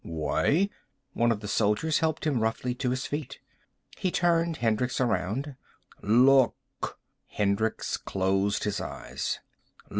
"Why?" One of the soldiers helped him roughly to his feet. He turned Hendricks around. "Look." Hendricks closed his eyes.